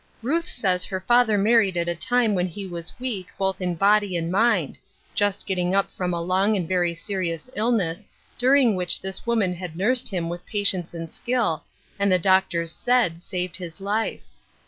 Ruth says her father married at. a time when he was weak, both in body and mind — just getting up from a long and very serious illness, during which this woman had nursed him with patience and skill, and, the doctors said, saved his life.